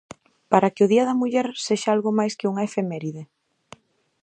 Para que o día da muller sexa algo máis que unha efeméride.